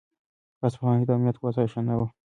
په اصفهان کې د امنیت وضع ښه نه وه.